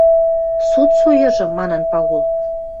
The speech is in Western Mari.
«Суд суйыжы!» — манын Пагул.